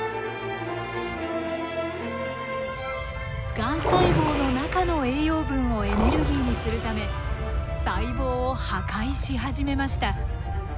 がん細胞の中の栄養分をエネルギーにするため細胞を破壊し始めました。